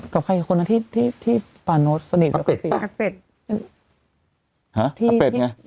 กับใครคนนะที่ที่ที่ป่านโน้ตสนิทอับเป็ดป่ะอับเป็ดอับเป็ดไง